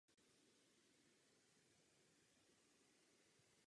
Salonní hudba navázala na komorní hudbu období klasicismu.